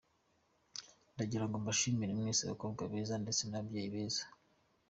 Ndagirango mbashimire mwese bakobwa beza ndetse n’ababyeyi beza….